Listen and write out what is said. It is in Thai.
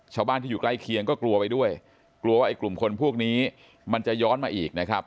ชาวบ้านที่อยู่ใกล้เคียงก็กลัวไปด้วยกลัวว่าไอ้กลุ่มคนพวกนี้มันจะย้อนมาอีกนะครับ